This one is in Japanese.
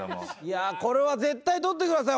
これは絶対とってください